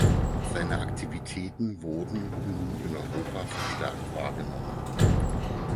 Seine Aktivitäten wurden nun in Europa verstärkt wahrgenommen.